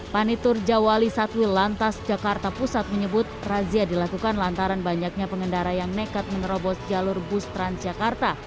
panitur jawali satwil lantas jakarta pusat menyebut razia dilakukan lantaran banyaknya pengendara yang nekat menerobos jalur bus transjakarta